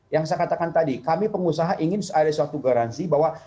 yang saya katakan tadi kami pengusaha ingin ada suatu garansi bahwa